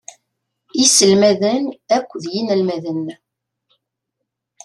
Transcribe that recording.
I yiselmaden akked yinelmaden.